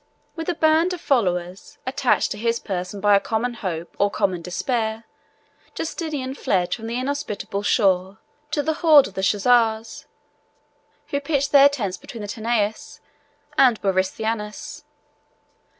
With a band of followers, attached to his person by common hope or common despair, Justinian fled from the inhospitable shore to the horde of the Chozars, who pitched their tents between the Tanais and Borysthenes.